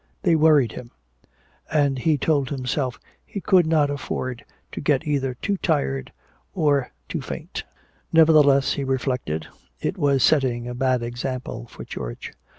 They worried him, and he told himself he could not afford to get either too tired or too faint. Nevertheless, he reflected, it was setting a bad example for George.